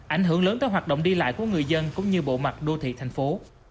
ảnh hưởng lớn tới hoạt động đi lại của người dân cũng như bộ mặt đô thị thành phố